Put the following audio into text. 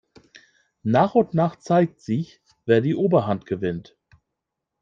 Nach und nach zeigt sich, wer die Oberhand gewinnt.